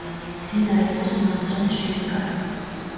მდინარე პოს მარცხენა შენაკადი.